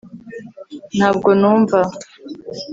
ntabwo numva